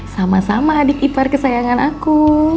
sama sama adik ipar kesayangan aku